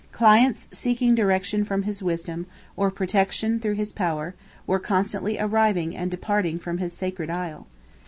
Clients, seeking direction from his wisdom, or protection through his power, were constantly arriving and departing from his sacred isle.